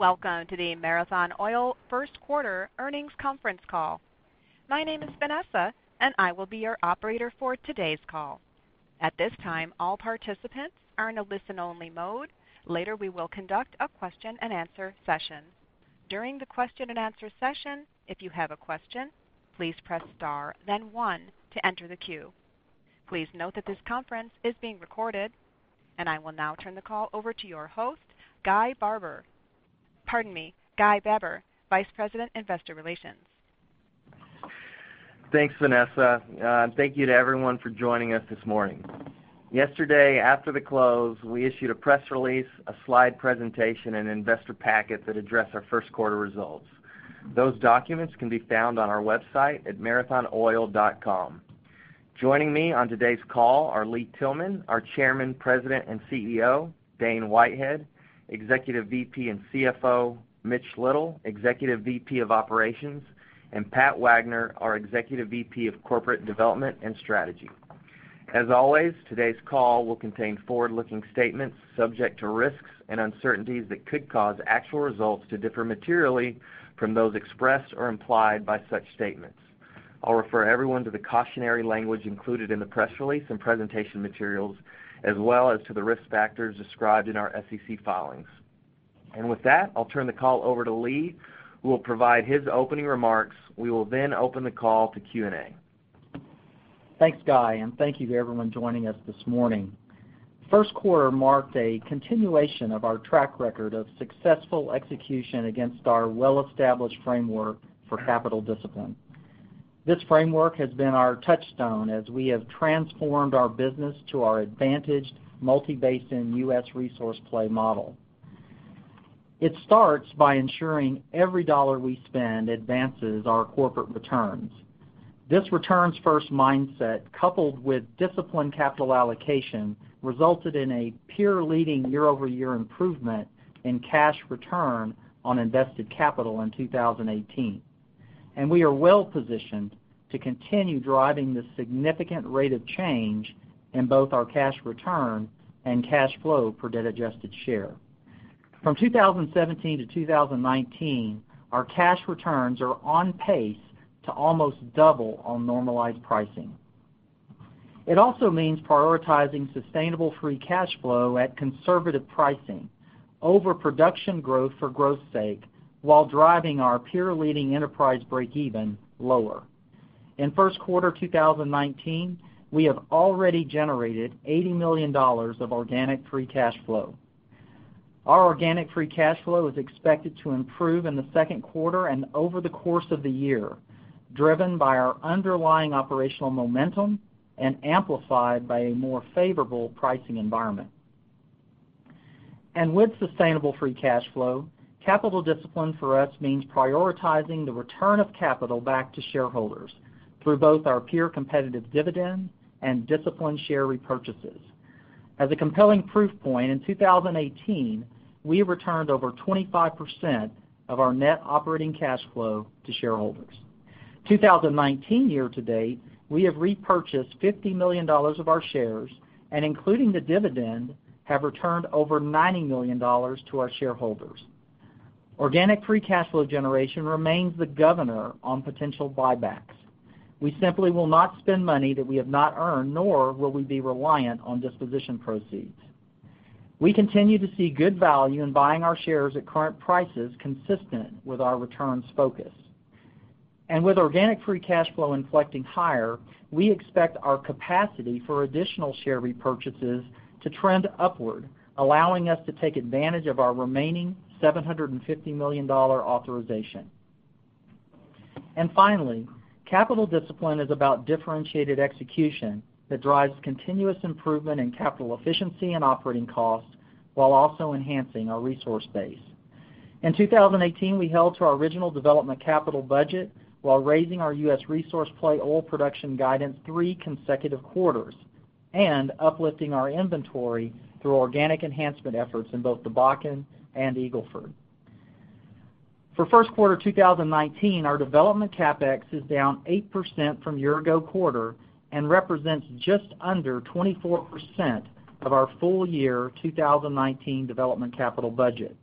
Welcome to the Marathon Oil first quarter earnings conference call. My name is Vanessa, and I will be your operator for today's call. At this time, all participants are in a listen-only mode. Later, we will conduct a question and answer session. During the question and answer session, if you have a question, please press star then one to enter the queue. Please note that this conference is being recorded. I will now turn the call over to your host, Guy Barber. Pardon me, Guy Baber, Vice President, Investor Relations. Thanks, Vanessa. Thank you to everyone for joining us this morning. Yesterday, after the close, we issued a press release, a slide presentation, and investor packet that address our first quarter results. Those documents can be found on our website at marathonoil.com. Joining me on today's call are Lee Tillman, our Chairman, President, and CEO, Dane Whitehead, Executive VP and CFO, Mitch Little, Executive VP of Operations, and Pat Wagner, our Executive VP of Corporate Development and Strategy. As always, today's call will contain forward-looking statements subject to risks and uncertainties that could cause actual results to differ materially from those expressed or implied by such statements. I'll refer everyone to the cautionary language included in the press release and presentation materials, as well as to the risk factors described in our SEC filings. With that, I'll turn the call over to Lee, who will provide his opening remarks. We will then open the call to Q&A. Thanks, Guy. Thank you to everyone joining us this morning. First quarter marked a continuation of our track record of successful execution against our well-established framework for capital discipline. This framework has been our touchstone as we have transformed our business to our advantaged multi-basin U.S. resource play model. It starts by ensuring every dollar we spend advances our corporate returns. This returns-first mindset, coupled with disciplined capital allocation, resulted in a peer-leading year-over-year improvement in Cash Return on Invested Capital in 2018. We are well-positioned to continue driving this significant rate of change in both our cash return and cash flow per debt-adjusted share. From 2017 to 2019, our cash returns are on pace to almost double on normalized pricing. It also means prioritizing sustainable free cash flow at conservative pricing over production growth for growth's sake while driving our peer-leading enterprise breakeven lower. In first quarter 2019, we have already generated $80 million of organic free cash flow. Our organic free cash flow is expected to improve in the second quarter and over the course of the year, driven by our underlying operational momentum and amplified by a more favorable pricing environment. With sustainable free cash flow, capital discipline for us means prioritizing the return of capital back to shareholders through both our peer competitive dividend and disciplined share repurchases. As a compelling proof point, in 2018, we returned over 25% of our net operating cash flow to shareholders. 2019 year to date, we have repurchased $50 million of our shares, including the dividend, have returned over $90 million to our shareholders. Organic free cash flow generation remains the governor on potential buybacks. We simply will not spend money that we have not earned, nor will we be reliant on disposition proceeds. We continue to see good value in buying our shares at current prices consistent with our returns focus. With organic free cash flow inflecting higher, we expect our capacity for additional share repurchases to trend upward, allowing us to take advantage of our remaining $750 million authorization. Finally, capital discipline is about differentiated execution that drives continuous improvement in capital efficiency and operating costs while also enhancing our resource base. In 2018, we held to our original development capital budget while raising our U.S. resource play oil production guidance three consecutive quarters and uplifting our inventory through organic enhancement efforts in both the Bakken and Eagle Ford. For first quarter 2019, our development CapEx is down 8% from year-ago quarter and represents just under 24% of our full year 2019 development capital budget.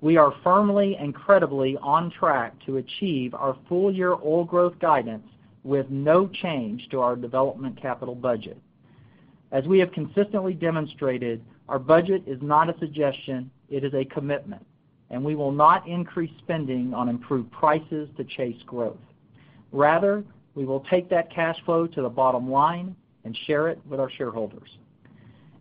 We are firmly and credibly on track to achieve our full-year oil growth guidance with no change to our development capital budget. As we have consistently demonstrated, our budget is not a suggestion, it is a commitment, and we will not increase spending on improved prices to chase growth. Rather, we will take that cash flow to the bottom line and share it with our shareholders.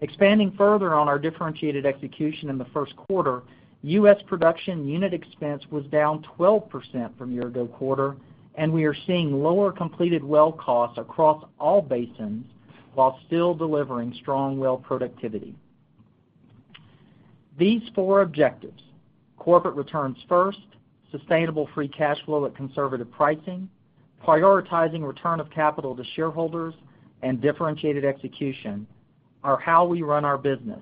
Expanding further on our differentiated execution in the first quarter, U.S. production unit expense was down 12% from year-ago quarter, and we are seeing lower completed well costs across all basins while still delivering strong well productivity. These four objectives, corporate returns first, sustainable free cash flow at conservative pricing, prioritizing return of capital to shareholders, and differentiated execution, are how we run our business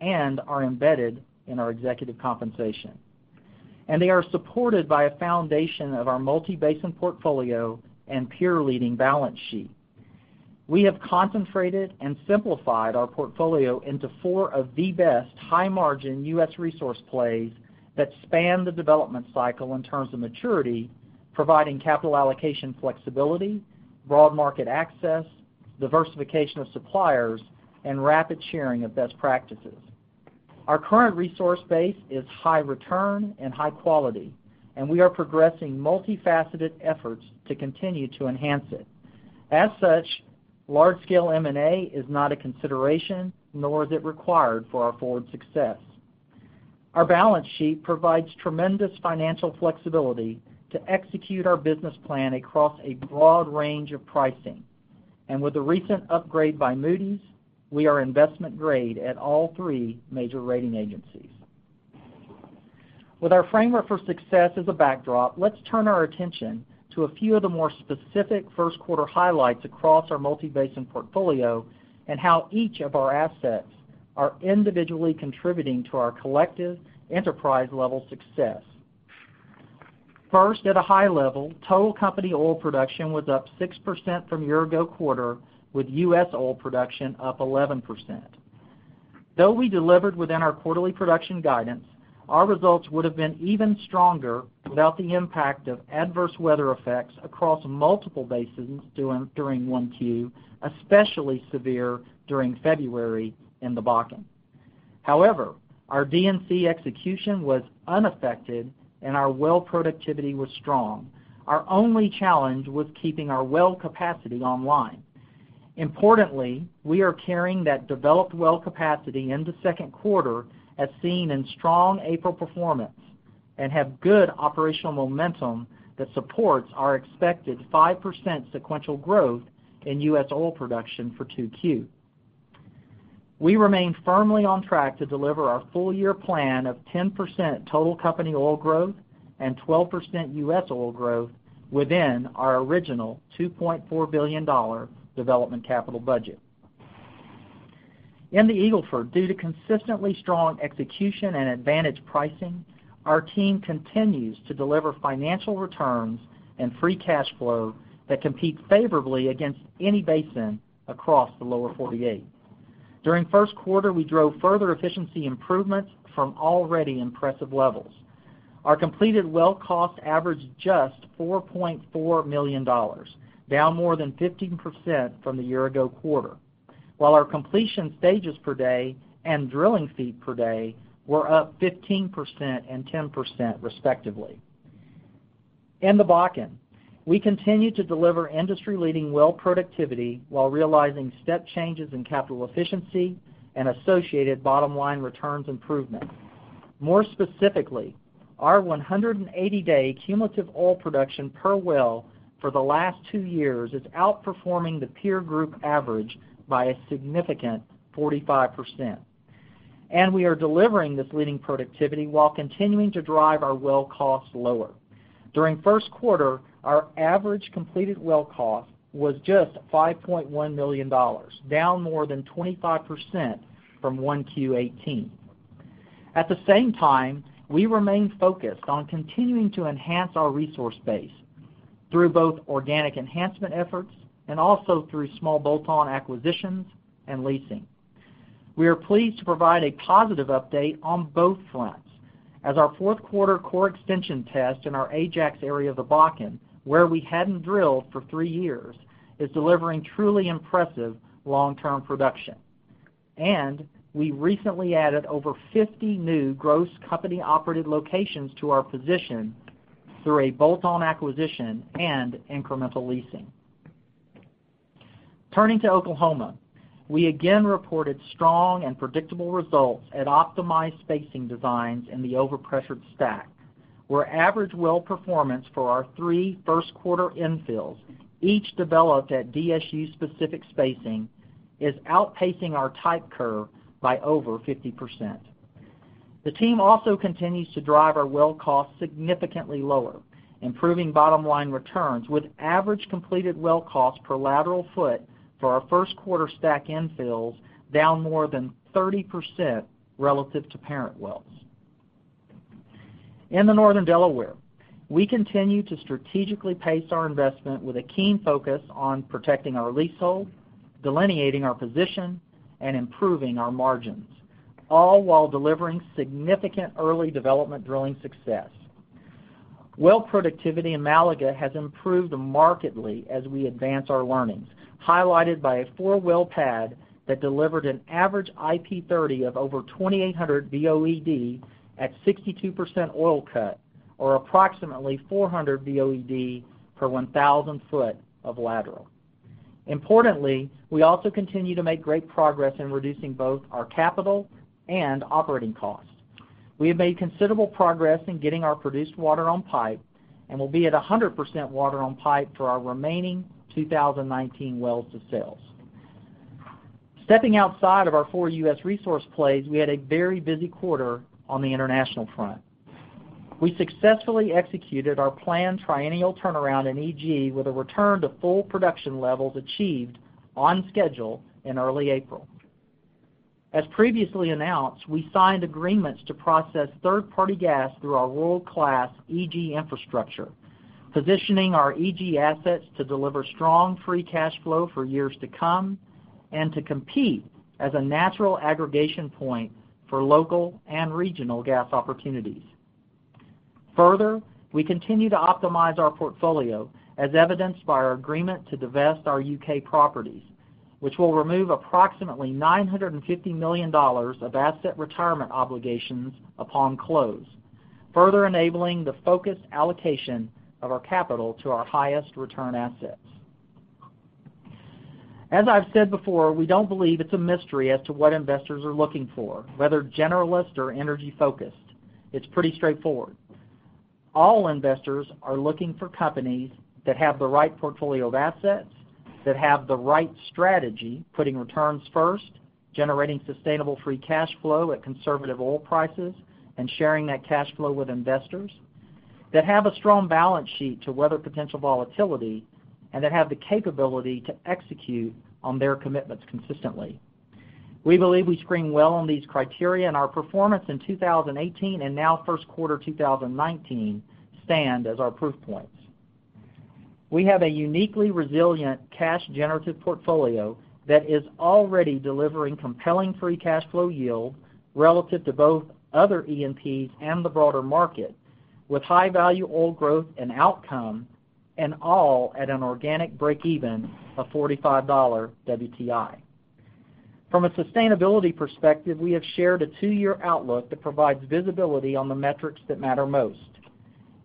and are embedded in our executive compensation. They are supported by a foundation of our multi-basin portfolio and peer-leading balance sheet. We have concentrated and simplified our portfolio into four of the best high-margin U.S. resource plays that span the development cycle in terms of maturity, providing capital allocation flexibility, broad market access, diversification of suppliers, and rapid sharing of best practices. Our current resource base is high return and high quality, and we are progressing multifaceted efforts to continue to enhance it. As such, large-scale M&A is not a consideration, nor is it required for our forward success. Our balance sheet provides tremendous financial flexibility to execute our business plan across a broad range of pricing. With the recent upgrade by Moody's, we are investment grade at all three major rating agencies. With our framework for success as a backdrop, let's turn our attention to a few of the more specific first quarter highlights across our multi-basin portfolio and how each of our assets are individually contributing to our collective enterprise-level success. First, at a high level, total company oil production was up 6% from year-ago quarter, with U.S. oil production up 11%. Though we delivered within our quarterly production guidance, our results would have been even stronger without the impact of adverse weather effects across multiple basins during 1Q, especially severe during February in the Bakken. However, our D&C execution was unaffected and our well productivity was strong. Our only challenge was keeping our well capacity online. Importantly, we are carrying that developed well capacity into second quarter as seen in strong April performance and have good operational momentum that supports our expected 5% sequential growth in U.S. oil production for 2Q. We remain firmly on track to deliver our full-year plan of 10% total company oil growth and 12% U.S. oil growth within our original $2.4 billion development capital budget. In the Eagle Ford, due to consistently strong execution and advantage pricing, our team continues to deliver financial returns and free cash flow that compete favorably against any basin across the Lower 48. During first quarter, we drove further efficiency improvements from already impressive levels. Our completed well cost averaged just $4.4 million, down more than 15% from the year-ago quarter, while our completion stages per day and drilling feet per day were up 15% and 10% respectively. In the Bakken, we continue to deliver industry-leading well productivity while realizing step changes in capital efficiency and associated bottom-line returns improvement. More specifically, our 180-day cumulative oil production per well for the last two years is outperforming the peer group average by a significant 45%. We are delivering this leading productivity while continuing to drive our well costs lower. During first quarter, our average completed well cost was just $5.1 million, down more than 25% from 1Q 2018. At the same time, we remain focused on continuing to enhance our resource base through both organic enhancement efforts and also through small bolt-on acquisitions and leasing. We are pleased to provide a positive update on both fronts, as our fourth quarter core extension test in our Ajax area of the Bakken, where we hadn't drilled for three years, is delivering truly impressive long-term production. We recently added over 50 new gross company-operated locations to our position through a bolt-on acquisition and incremental leasing. Turning to Oklahoma, we again reported strong and predictable results at optimized spacing designs in the overpressured STACK, where average well performance for our three first quarter infills, each developed at DSU-specific spacing, is outpacing our type curve by over 50%. The team also continues to drive our well costs significantly lower, improving bottom-line returns with average completed well cost per lateral foot for our first quarter STACK infills down more than 30% relative to parent wells. In the Northern Delaware, we continue to strategically pace our investment with a keen focus on protecting our leasehold, delineating our position, and improving our margins, all while delivering significant early development drilling success. Well productivity in Malaga has improved markedly as we advance our learnings, highlighted by a four-well pad that delivered an average IP30 of over 2,800 BOED at 62% oil cut, or approximately 400 BOED per 1,000 foot of lateral. Importantly, we also continue to make great progress in reducing both our capital and operating costs. We have made considerable progress in getting our produced water on pipe and will be at 100% water on pipe for our remaining 2019 wells to sales. Stepping outside of our four U.S. resource plays, we had a very busy quarter on the international front. We successfully executed our planned triennial turnaround in EG with a return to full production levels achieved on schedule in early April. As previously announced, we signed agreements to process third-party gas through our world-class EG infrastructure, positioning our EG assets to deliver strong free cash flow for years to come and to compete as a natural aggregation point for local and regional gas opportunities. Further, we continue to optimize our portfolio, as evidenced by our agreement to divest our U.K. properties, which will remove approximately $950 million of asset retirement obligations upon close, further enabling the focused allocation of our capital to our highest return assets. As I've said before, we don't believe it's a mystery as to what investors are looking for, whether generalist or energy-focused. It's pretty straightforward. All investors are looking for companies that have the right portfolio of assets, that have the right strategy, putting returns first, generating sustainable free cash flow at conservative oil prices, and sharing that cash flow with investors, that have a strong balance sheet to weather potential volatility, and that have the capability to execute on their commitments consistently. We believe we screen well on these criteria, and our performance in 2018 and now first quarter 2019 stand as our proof points. We have a uniquely resilient cash generative portfolio that is already delivering compelling free cash flow yield relative to both other E&P and the broader market, with high value oil growth and outcome, and all at an organic breakeven of $45 WTI. From a sustainability perspective, we have shared a two-year outlook that provides visibility on the metrics that matter most.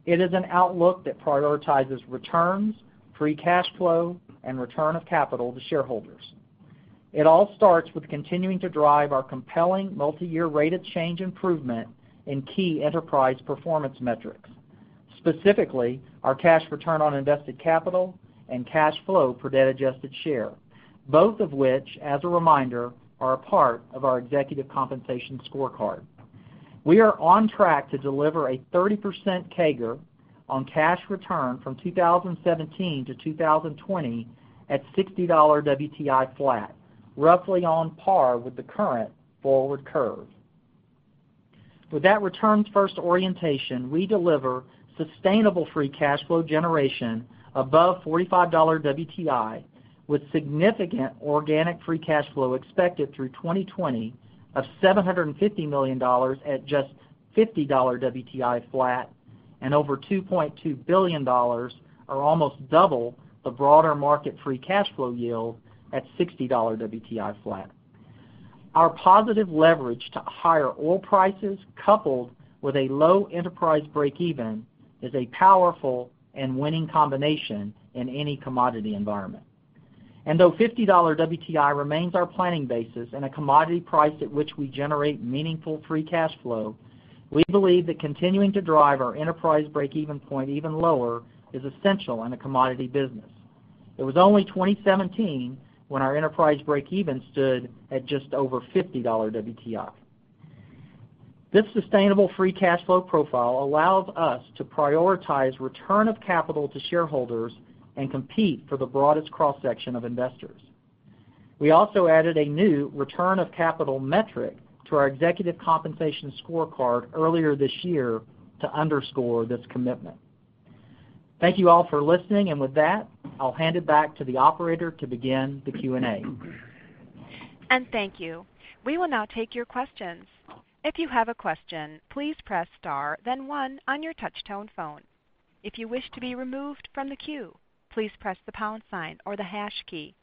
It is an outlook that prioritizes returns, free cash flow, and return of capital to shareholders. It all starts with continuing to drive our compelling multiyear rated change improvement in key enterprise performance metrics, specifically our Cash Return on Invested Capital and cash flow per debt-adjusted share, both of which, as a reminder, are a part of our executive compensation scorecard. We are on track to deliver a 30% CAGR on cash return from 2017 to 2020 at $60 WTI flat, roughly on par with the current forward curve. With that returns first orientation, we deliver sustainable free cash flow generation above $45 WTI, with significant organic free cash flow expected through 2020 of $750 million at just $50 WTI flat and over $2.2 billion, or almost double the broader market free cash flow yield at $60 WTI flat. Our positive leverage to higher oil prices, coupled with a low enterprise breakeven, is a powerful and winning combination in any commodity environment. Though $50 WTI remains our planning basis and a commodity price at which we generate meaningful free cash flow, we believe that continuing to drive our enterprise breakeven point even lower is essential in a commodity business. It was only 2017 when our enterprise breakeven stood at just over $50 WTI. This sustainable free cash flow profile allows us to prioritize return of capital to shareholders and compete for the broadest cross-section of investors. We also added a new return of capital metric to our executive compensation scorecard earlier this year to underscore this commitment. Thank you all for listening, and with that, I'll hand it back to the operator to begin the Q&A. Thank you. We will now take your questions. If you have a question, please press star then one on your touch tone phone. If you wish to be removed from the queue, please press the pound sign or the hash key.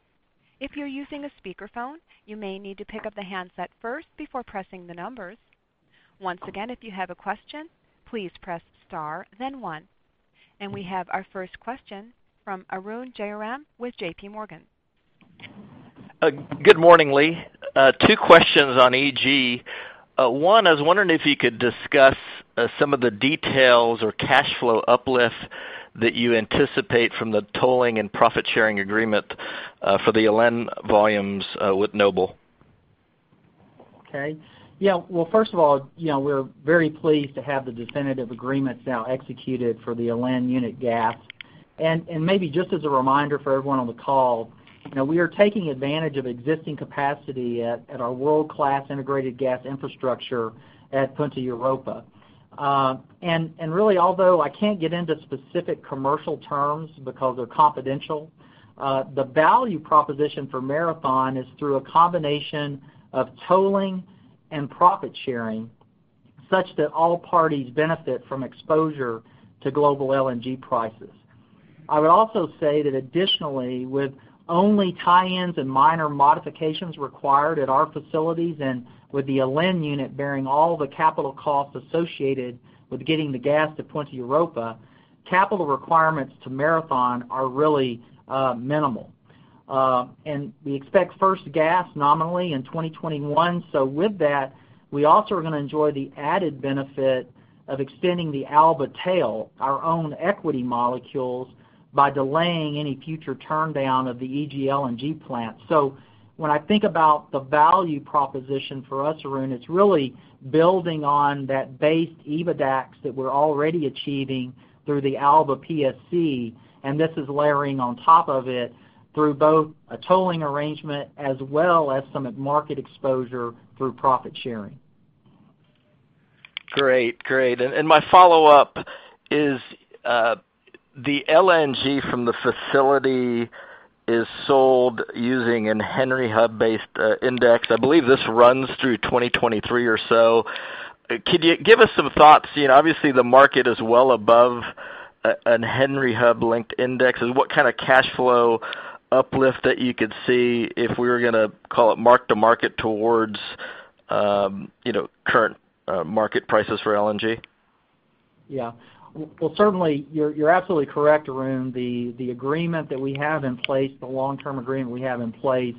If you're using a speakerphone, you may need to pick up the handset first before pressing the numbers. Once again, if you have a question, please press star then one. We have our first question from Arun Jayaram with JPMorgan. Good morning, Lee. Two questions on EG. One, I was wondering if you could discuss some of the details or cash flow uplift that you anticipate from the tolling and profit-sharing agreement for the Alen volumes with Noble Energy. Okay. First of all, we're very pleased to have the definitive agreements now executed for the Alen unit gas. Maybe just as a reminder for everyone on the call, we are taking advantage of existing capacity at our world-class integrated gas infrastructure at Punta Europa. Although I can't get into specific commercial terms because they're confidential, the value proposition for Marathon is through a combination of tolling and profit sharing, such that all parties benefit from exposure to global LNG prices. I would also say that additionally, with only tie-ins and minor modifications required at our facilities, with the Alen unit bearing all the capital costs associated with getting the gas to Punta Europa, capital requirements to Marathon are really minimal. We expect first gas nominally in 2021. With that, we also are going to enjoy the added benefit of extending the Alba tail, our own equity molecules, by delaying any future turndown of the EG LNG plant. When I think about the value proposition for us, Arun, it's really building on that base EBITDAX that we're already achieving through the Alba PSC, and this is layering on top of it through both a tolling arrangement as well as some market exposure through profit sharing. Great. My follow-up is, the LNG from the facility is sold using a Henry Hub-based index. I believe this runs through 2023 or so. Could you give us some thoughts? Obviously, the market is well above a Henry Hub linked index. What kind of cash flow uplift that you could see if we were going to call it mark-to-market towards current market prices for LNG? Yeah. Well, certainly, you're absolutely correct, Arun. The long-term agreement we have in place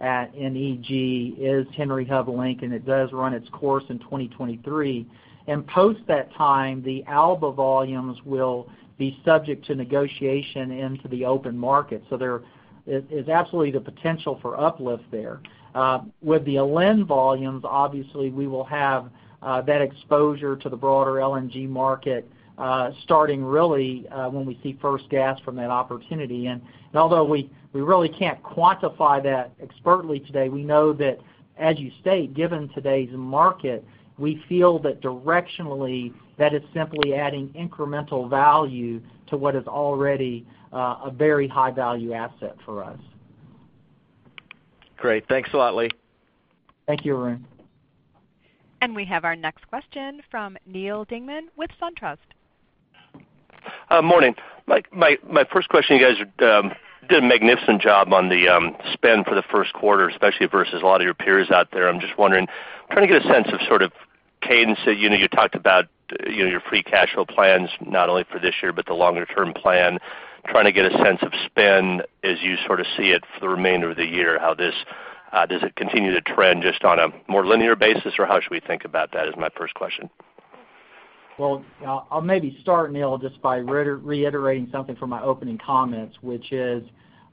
at EG is Henry Hub link, it does run its course in 2023. Post that time, the Alba volumes will be subject to negotiation into the open market. There is absolutely the potential for uplift there. With the Alen volumes, obviously, we will have that exposure to the broader LNG market, starting really when we see first gas from that opportunity. Although we really can't quantify that expertly today, we know that, as you state, given today's market, we feel that directionally, that is simply adding incremental value to what is already a very high-value asset for us. Great. Thanks a lot, Lee. Thank you, Arun. We have our next question from Neal Dingmann with SunTrust. Morning. My first question, you guys did a magnificent job on the spend for the first quarter, especially versus a lot of your peers out there. I'm just wondering, trying to get a sense of sort of cadence that you talked about, your free cash flow plans, not only for this year but the longer-term plan. Trying to get a sense of spend as you sort of see it for the remainder of the year. Does it continue to trend just on a more linear basis, or how should we think about that, is my first question? I'll maybe start, Neal, just by reiterating something from my opening comments, which is,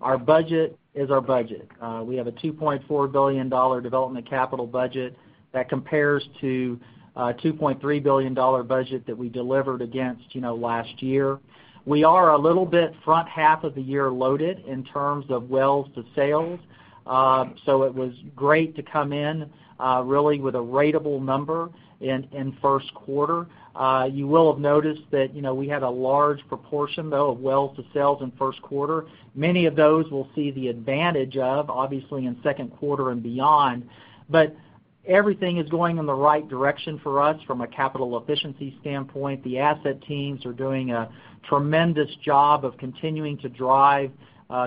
our budget is our budget. We have a $2.4 billion development capital budget that compares to a $2.3 billion budget that we delivered against last year. We are a little bit front half of the year loaded in terms of wells to sales. It was great to come in really with a ratable number in first quarter. You will have noticed that we had a large proportion, though, of wells to sales in first quarter. Many of those will see the advantage of, obviously, in second quarter and beyond. Everything is going in the right direction for us from a capital efficiency standpoint. The asset teams are doing a tremendous job of continuing to drive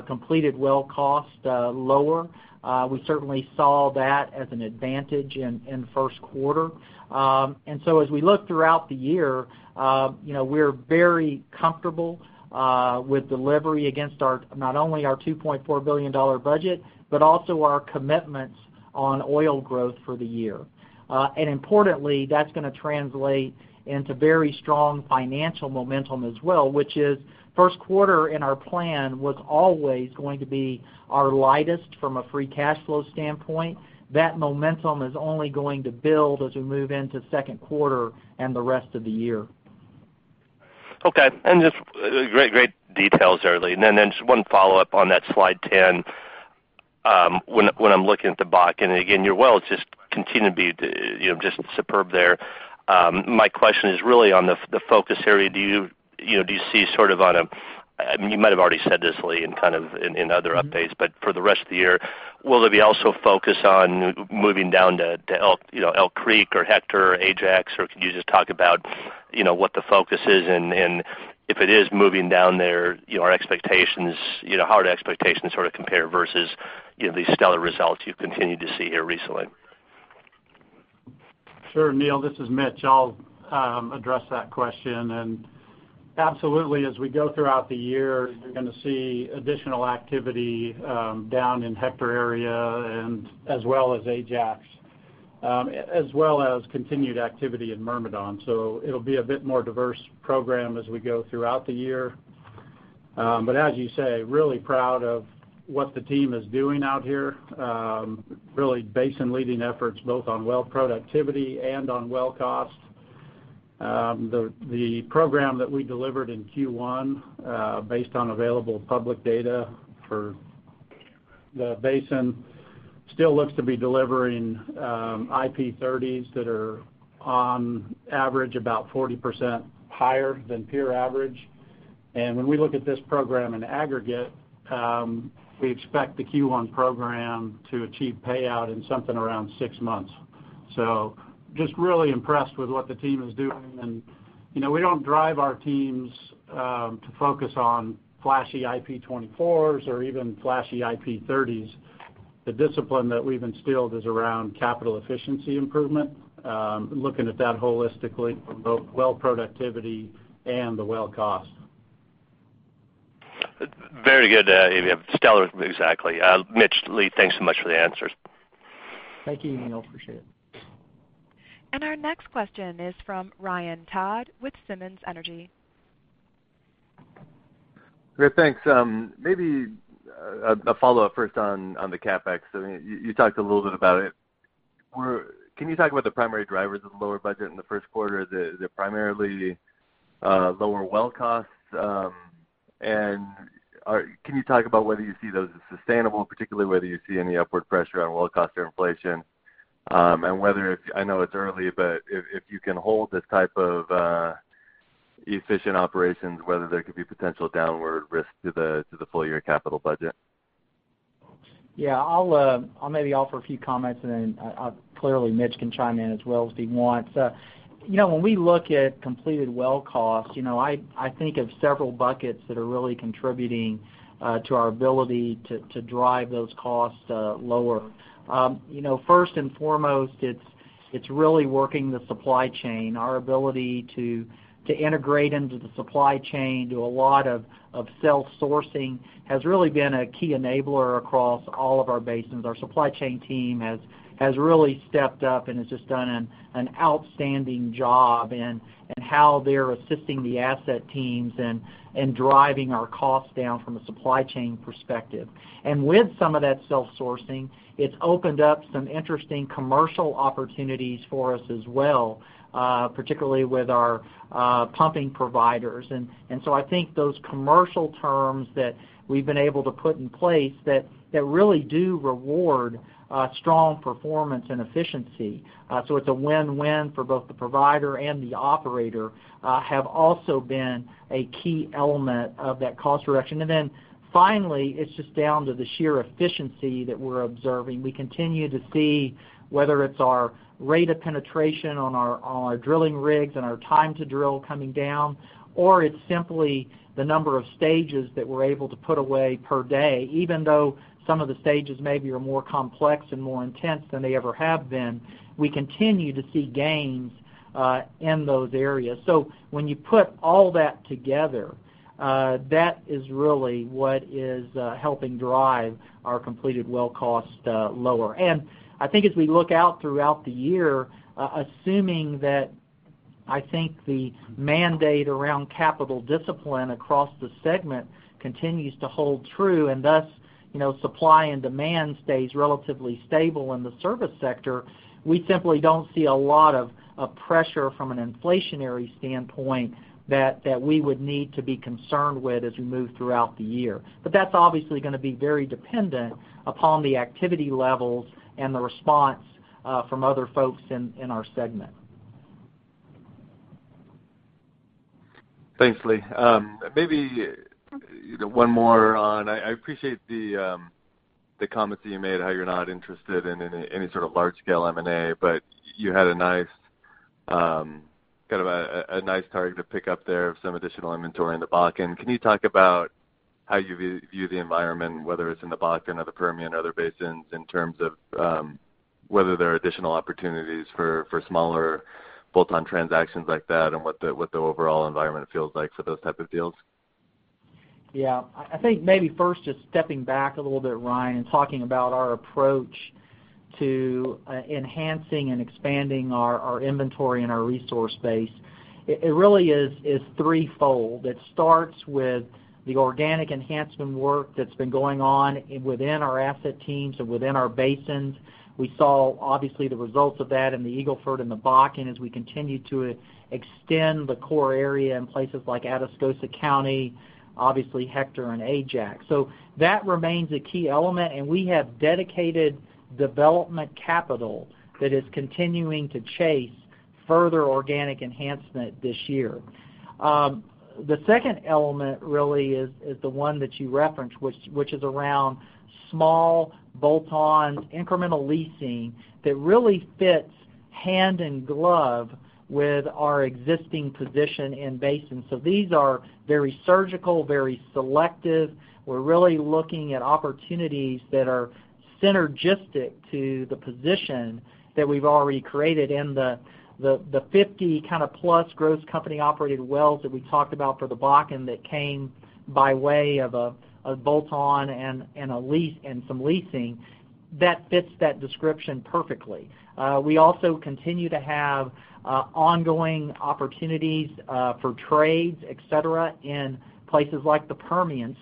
completed well cost lower. We certainly saw that as an advantage in first quarter. As we look throughout the year, we're very comfortable with delivery against not only our $2.4 billion budget, but also our commitments on oil growth for the year. Importantly, that's going to translate into very strong financial momentum as well, which is first quarter in our plan was always going to be our lightest from a free cash flow standpoint. That momentum is only going to build as we move into second quarter and the rest of the year. Okay. Just great details there, Lee. Then just one follow-up on that slide 10. When I'm looking at the Bakken, your wells just continue to be just superb there. My question is really on the focus area. You might have already said this, Lee, in other updates, but for the rest of the year, will there be also focus on moving down to Elk Creek or Hector or Ajax? Could you just talk about what the focus is, and if it is moving down there, how our expectations sort of compare versus these stellar results you've continued to see here recently? Sure, Neal, this is Mitch. I'll address that question. Absolutely, as we go throughout the year, you're going to see additional activity down in Hector area as well as Ajax, as well as continued activity in Myrmidon. It'll be a bit more diverse program as we go throughout the year. As you say, really proud of what the team is doing out here. Really basin leading efforts both on well productivity and on well cost. The program that we delivered in Q1, based on available public data for the basin, still looks to be delivering IP30s that are on average about 40% higher than peer average. When we look at this program in aggregate, we expect the Q1 program to achieve payout in something around six months. Just really impressed with what the team is doing. We don't drive our teams to focus on flashy IP24s or even flashy IP30s. The discipline that we've instilled is around capital efficiency improvement, looking at that holistically from both well productivity and the well cost. Very good. Stellar. Exactly. Mitch, Lee, thanks so much for the answers. Thank you, Neal. Appreciate it. Our next question is from Ryan Todd with Simmons Energy. Great. Thanks. Maybe a follow-up first on the CapEx. You talked a little bit about it. Can you talk about the primary drivers of the lower budget in the first quarter? Is it primarily lower well costs? Can you talk about whether you see those as sustainable, particularly whether you see any upward pressure on well cost or inflation? I know it's early, but if you can hold this type of efficient operations, whether there could be potential downward risk to the full year capital budget? Yeah. I'll maybe offer a few comments, then clearly Mitch can chime in as well, if he wants. When we look at completed well costs, I think of several buckets that are really contributing to our ability to drive those costs lower. First and foremost, it's really working the supply chain. Our ability to integrate into the supply chain, do a lot of self-sourcing, has really been a key enabler across all of our basins. Our supply chain team has really stepped up and has just done an outstanding job in how they're assisting the asset teams and driving our costs down from a supply chain perspective. With some of that self-sourcing, it's opened up some interesting commercial opportunities for us as well, particularly with our pumping providers. I think those commercial terms that we've been able to put in place that really do reward strong performance and efficiency, so it's a win-win for both the provider and the operator, have also been a key element of that cost reduction. Finally, it's just down to the sheer efficiency that we're observing. We continue to see whether it's our rate of penetration on our drilling rigs and our time to drill coming down, or it's simply the number of stages that we're able to put away per day, even though some of the stages maybe are more complex and more intense than they ever have been. We continue to see gains in those areas. When you put all that together, that is really what is helping drive our completed well cost lower. I think as we look out throughout the year, assuming that I think the mandate around capital discipline across the segment continues to hold true, and thus, supply and demand stays relatively stable in the service sector. We simply don't see a lot of pressure from an inflationary standpoint that we would need to be concerned with as we move throughout the year. That's obviously going to be very dependent upon the activity levels and the response from other folks in our segment. Thanks, Lee. Maybe one more. I appreciate the comments that you made, how you're not interested in any sort of large scale M&A, but you had a nice target to pick up there of some additional inventory in the Bakken. Can you talk about how you view the environment, whether it's in the Bakken or the Permian or other basins, in terms of whether there are additional opportunities for smaller bolt-on transactions like that and what the overall environment feels like for those type of deals? Yeah. I think maybe first, just stepping back a little bit, Ryan, and talking about our approach to enhancing and expanding our inventory and our resource base. It really is threefold. It starts with the organic enhancement work that's been going on within our asset teams and within our basins. We saw, obviously, the results of that in the Eagle Ford and the Bakken as we continue to extend the core area in places like Atascosa County, obviously Hector and Ajax. That remains a key element, and we have dedicated development capital that is continuing to chase further organic enhancement this year. The second element really is the one that you referenced, which is around small bolt-on incremental leasing that really fits hand in glove with our existing position in basin. These are very surgical, very selective. We're really looking at opportunities that are synergistic to the position that we've already created in the 50 plus gross company operated wells that we talked about for the Bakken that came by way of a bolt-on and some leasing. That fits that description perfectly. We also continue to have ongoing opportunities for trades, et cetera, in places like the Permian.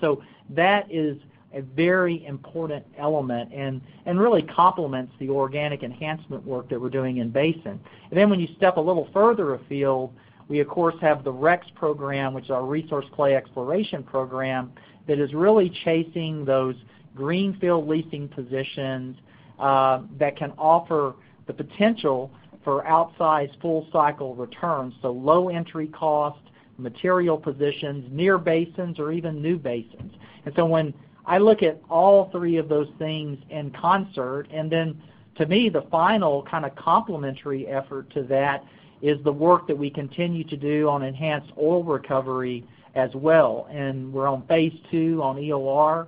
That is a very important element and really complements the organic enhancement work that we're doing in basin. When you step a little further afield, we of course have the REX Program, which is our resource play exploration program, that is really chasing those greenfield leasing positions that can offer the potential for outsized full cycle returns. Low entry cost, material positions, near basins or even new basins. When I look at all three of those things in concert, to me, the final kind of complementary effort to that is the work that we continue to do on enhanced oil recovery as well. We're on phase 2 on EOR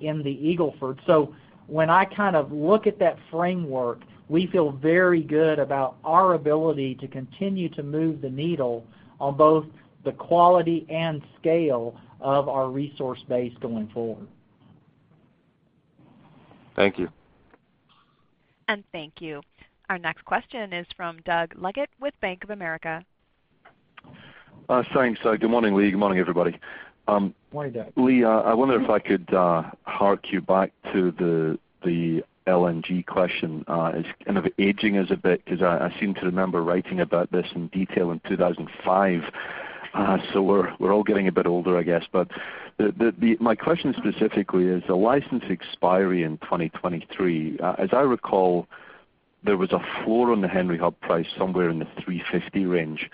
in the Eagle Ford. When I look at that framework, we feel very good about our ability to continue to move the needle on both the quality and scale of our resource base going forward. Thank you. Thank you. Our next question is from Doug Leggate with Bank of America. Thanks. Good morning, Lee. Good morning, everybody. Morning, Doug. Lee, I wonder if I could hark you back to the LNG question. It's kind of aging us a bit because I seem to remember writing about this in detail in 2005. So we're all getting a bit older, I guess. My question specifically is the license expiry in 2023. As I recall, there was a floor on the Henry Hub price somewhere in the $350 range.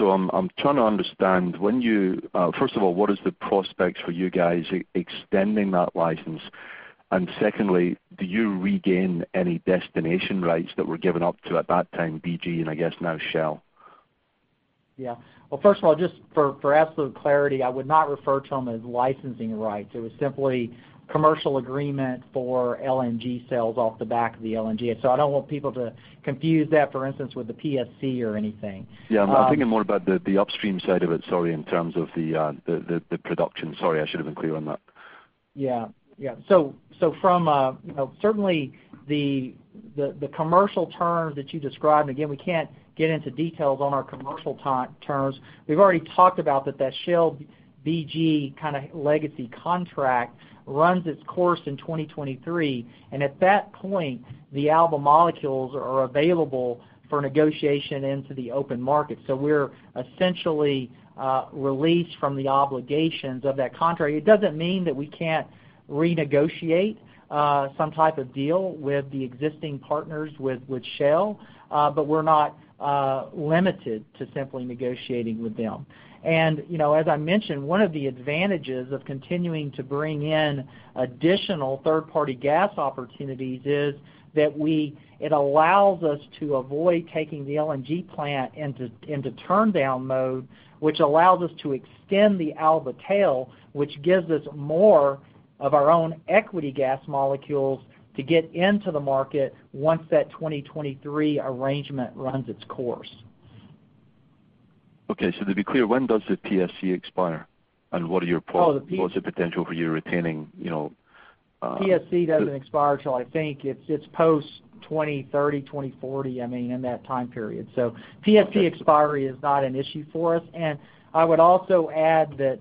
I'm trying to understand, first of all, what is the prospects for you guys extending that license? Secondly, do you regain any destination rights that were given up to, at that time, BG, and I guess now Shell? Yeah. Well, first of all, just for absolute clarity, I would not refer to them as licensing rights. It was simply commercial agreement for LNG sales off the back of the LNG. I don't want people to confuse that, for instance, with the PSC or anything. Yeah. I'm thinking more about the upstream side of it, sorry, in terms of the production. Sorry, I should've been clear on that. Yeah. From certainly the commercial terms that you described, again, we can't get into details on our commercial terms. We've already talked about that that Shell BG kind of legacy contract runs its course in 2023, and at that point, the Alen molecules are available for negotiation into the open market. We're essentially released from the obligations of that contract. It doesn't mean that we can't renegotiate some type of deal with the existing partners, with Shell. We're not limited to simply negotiating with them. As I mentioned, one of the advantages of continuing to bring in additional third-party gas opportunities is that it allows us to avoid taking the LNG plant into turndown mode, which allows us to extend the Alen tail, which gives us more of our own equity gas molecules to get into the market once that 2023 arrangement runs its course. Okay. To be clear, when does the PSC expire? What are your- Oh, the. What's the potential for you? PSC doesn't expire till I think it's post-2030, 2040, in that time period. PSC expiry is not an issue for us, and I would also add that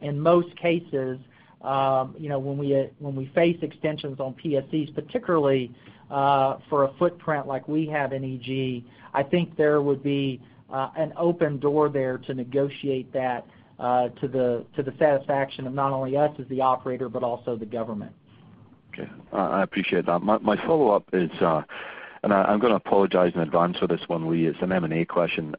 in most cases, when we face extensions on PSCs, particularly for a footprint like we have in EG, I think there would be an open door there to negotiate that to the satisfaction of not only us as the operator, but also the government. Okay. I appreciate that. My follow-up is, and I'm going to apologize in advance for this one, Lee. It's an M&A question.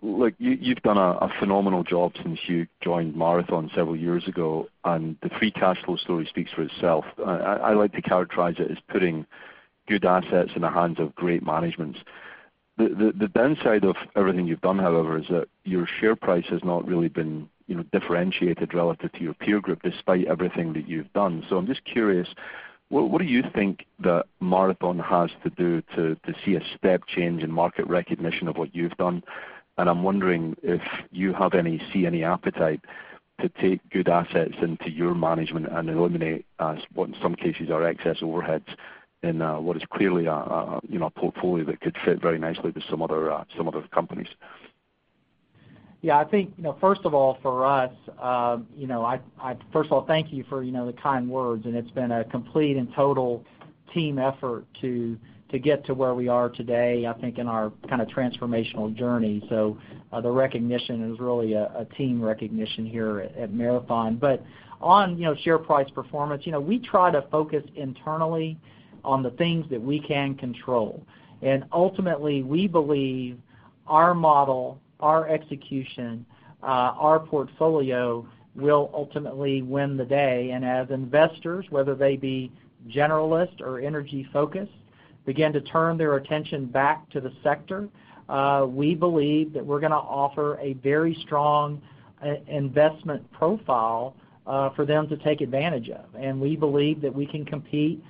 Look, you've done a phenomenal job since you joined Marathon several years ago, and the free cash flow story speaks for itself. I like to characterize it as putting good assets in the hands of great managements. The downside of everything you've done, however, is that your share price has not really been differentiated relative to your peer group, despite everything that you've done. I'm just curious, what do you think that Marathon has to do to see a step change in market recognition of what you've done? I'm wondering if you see any appetite to take good assets into your management and eliminate what, in some cases, are excess overheads in what is clearly a portfolio that could fit very nicely with some other companies. Yeah. First of all, thank you for the kind words, it's been a complete and total team effort to get to where we are today, I think, in our kind of transformational journey. The recognition is really a team recognition here at Marathon. On share price performance, we try to focus internally on the things that we can control. Ultimately, we believe our model, our execution, our portfolio will ultimately win the day. As investors, whether they be generalist or energy-focused, begin to turn their attention back to the sector, we believe that we're going to offer a very strong investment profile for them to take advantage of. We believe that we can compete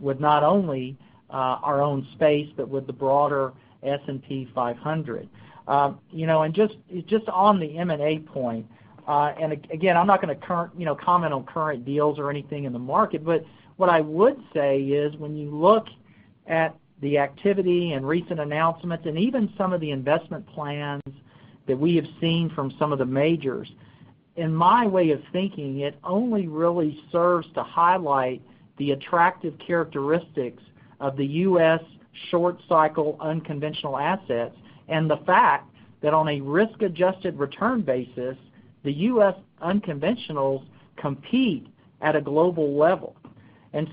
with not only our own space but with the broader S&P 500. Just on the M&A point, again, I'm not going to comment on current deals or anything in the market, what I would say is when you look at the activity and recent announcements and even some of the investment plans that we have seen from some of the majors, in my way of thinking, it only really serves to highlight the attractive characteristics of the U.S. short-cycle unconventional assets, and the fact that on a risk-adjusted return basis, the U.S. unconventionals compete at a global level.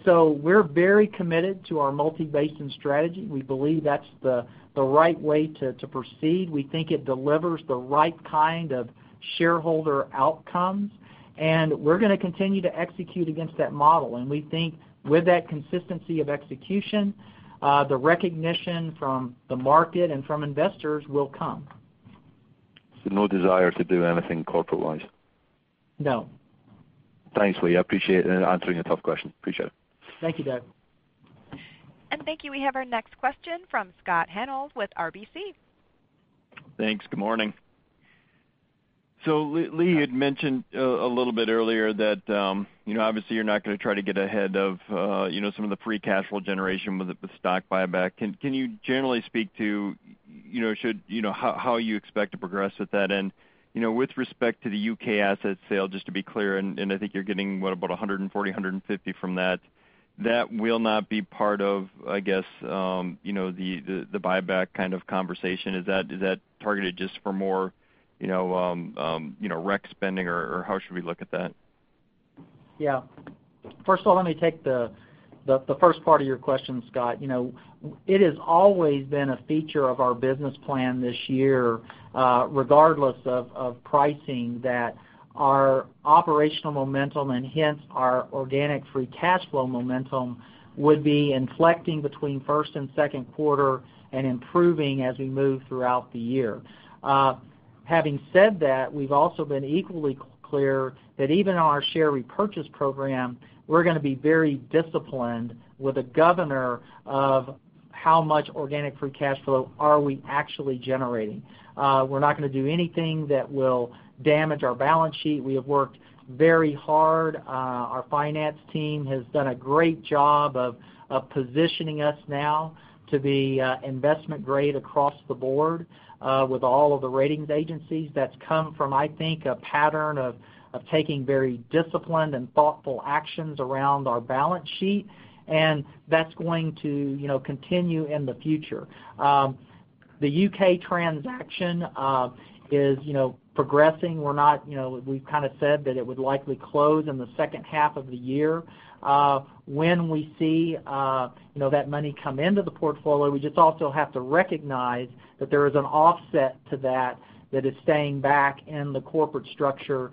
We're very committed to our multi-basin strategy. We believe that's the right way to proceed. We think it delivers the right kind of shareholder outcomes, we're going to continue to execute against that model. We think with that consistency of execution, the recognition from the market and from investors will come. No desire to do anything corporate-wise? No. Thanks, Lee. I appreciate answering a tough question. Appreciate it. Thank you, Doug. Thank you. We have our next question from Scott Hanold with RBC. Thanks. Good morning. Lee had mentioned a little bit earlier that obviously you're not going to try to get ahead of some of the free cash flow generation with the stock buyback. Can you generally speak to how you expect to progress with that? With respect to the U.K. asset sale, just to be clear, I think you're getting, what, about $140, $150 from that will not be part of, I guess, the buyback kind of conversation. Is that targeted just for more rec spending, or how should we look at that? Yeah. First of all, let me take the first part of your question, Scott. It has always been a feature of our business plan this year, regardless of pricing, that our operational momentum, and hence our organic free cash flow momentum, would be inflecting between first and second quarter and improving as we move throughout the year. Having said that, we've also been equally clear that even on our share repurchase program, we're going to be very disciplined with a governor of how much organic free cash flow are we actually generating. We're not going to do anything that will damage our balance sheet. We have worked very hard. Our finance team has done a great job of positioning us now to be investment grade across the board with all of the ratings agencies. That's come from, I think, a pattern of taking very disciplined and thoughtful actions around our balance sheet, that's going to continue in the future. The U.K. transaction is progressing. We've said that it would likely close in the second half of the year. When we see that money come into the portfolio, we just also have to recognize that there is an offset to that is staying back in the corporate structure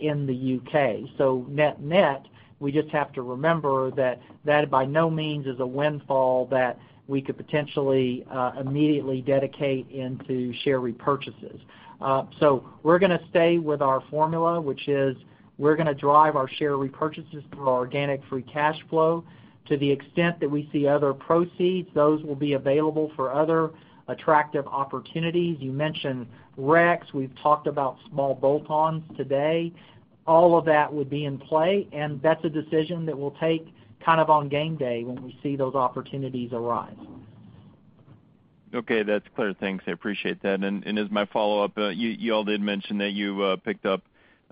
in the U.K. Net-net, we just have to remember that that by no means is a windfall that we could potentially immediately dedicate into share repurchases. We're going to stay with our formula, which is we're going to drive our share repurchases through our organic free cash flow. To the extent that we see other proceeds, those will be available for other attractive opportunities. You mentioned REX. We've talked about small bolt-ons today. All of that would be in play, that's a decision that we'll take on game day when we see those opportunities arise. Okay. That's clear. Thanks. I appreciate that. As my follow-up, you all did mention that you picked up